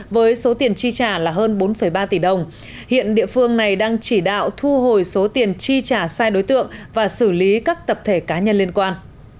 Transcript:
với số tiền chi trả là hơn bốn ba tỷ đồng hiện địa phương này đang chỉ đạo thu hồi số tiền chi trả sai đối tượng và xử lý các tập thể cá nhân liên quan